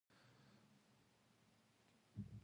چي ملګري تاته ګران وه هغه ټول دي زمولېدلي